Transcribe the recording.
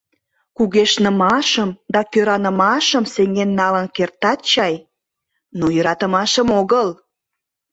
Кугешнымашым да кӧранымашым сеҥен налын кертат чай, но йӧратымашым огыл.